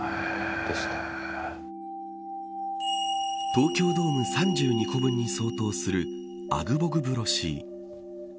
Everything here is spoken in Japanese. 東京ドーム３２個分に相当するアグボグブロシー。